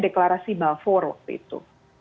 deklarasi balfour waktu itu